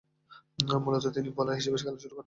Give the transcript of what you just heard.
মূলতঃ তিনি বোলার হিসেবে খেলা শুরু করেন।